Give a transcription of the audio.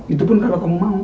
itu pun kalau kamu mau